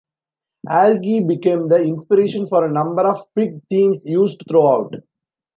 "Algie" became the inspiration for a number of pig themes used throughout.